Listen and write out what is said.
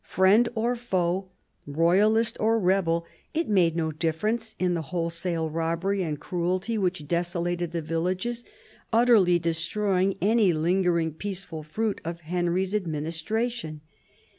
Friend or foe, royalist or rebel, it made no difference in the wholesale robbery and cruelty which desolated the villages, utterly destroying any lingering peaceful fruit of Henry's administration.